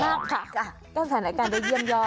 ดีมากค่ะก็สร้างอาการได้เยี่ยมยอด